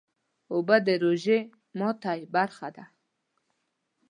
اوبه د روژې ماتی برخه ده